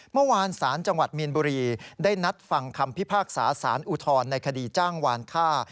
เมื่อวานศาลจังหวัดมีนบุรีได้นัดฟังคำพิพากษาสารอุทธรณ์ในคดีจ้างวานฆ่า